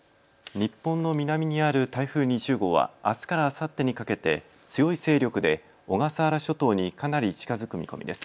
日本の南にある台風２０号はあすからあさってにかけて強い勢力で小笠原諸島にかなり近づく見込みです。